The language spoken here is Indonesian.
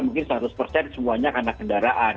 mungkin seratus persen semuanya karena kendaraan